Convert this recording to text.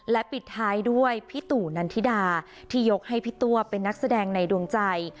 และปิดท้ายด้วยพี่ตู่นันทิดาที่ยกให้พี่ตัวเป็นนักแสดงในดวงใจ